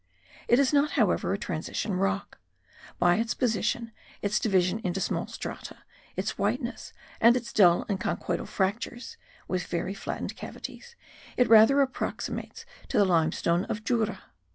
It is not, however, a transition rock; by its position, its division into small strata, its whiteness and its dull and conchoidal fractures (with very flattened cavities), it rather approximates to the limestone of Jura.